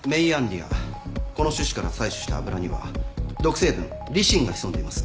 この種子から採取した油には毒成分リシンが潜んでいます。